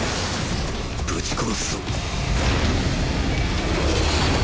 ぶち殺すぞ。